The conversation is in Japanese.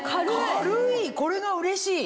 これがうれしい！